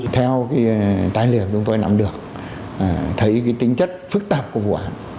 theo tài liệu chúng tôi nắm được thấy tính chất phức tạp của vụ án